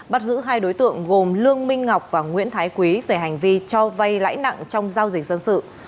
bắt giữ hai đối tượng gồm lương minh ngọc và nguyễn thái quý về hành vi cho vay lãi nặng trong giao dịch dân sự